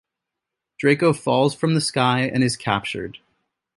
Draco falls from the sky and is captured.